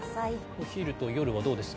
お昼と夜はどうですか。